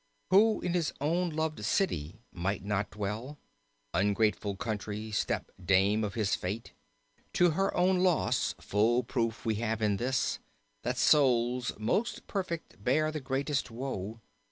Who in his own loved city might not dwell. Ungrateful country step dame of his fate. To her own loss: full proof we have in this That souls most perfect bear the greatest woe.